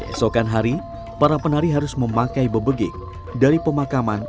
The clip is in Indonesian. esokan hari para penari harus memakai bebegik dari pemakaman